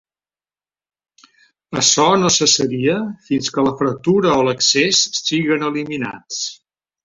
Açò no cessaria fins que la fretura o l'excés siguen eliminats.